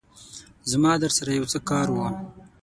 زما درسره يو څه کار وو